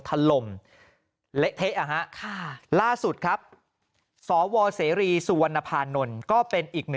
ทะลมเละเทะอ่ะฮะล่าสุดครับสวเซรีสวนพานนนก็เป็นอีก